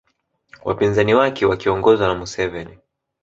Wapinzani wake wakiongozwa na Museveni